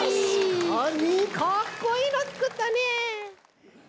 たしかにかっこいいのつくったね。